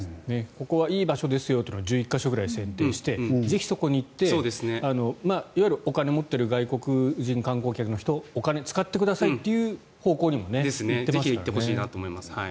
ここはいい場所ですよと１０か所くらい選定してぜひそこに行っていわゆる、お金を持っている外国人観光客の人お金を使ってくださいという方向にも行っていますからね。